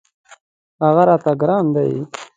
هغه راته ګران دی.